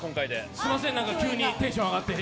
すいません、急にテンション上がって。